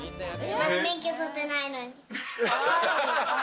まだ免許取ってないのに。